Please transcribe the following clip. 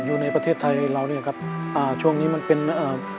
อยู่ในประเทศไทยเราเนี่ยครับอ่าช่วงนี้มันเป็นเอ่อ